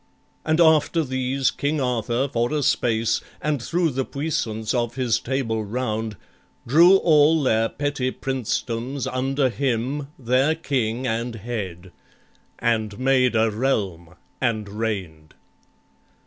And after these King Arthur for a space, And thro' the puissance of his Table Round, Drew all their petty princedoms under him, Their king and head, and made a realm, and reign'd.